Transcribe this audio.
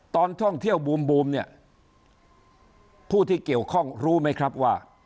ตอนท่องเที่ยวบูมเนี่ยผู้ที่เกี่ยวข้องรู้ไหมครับว่า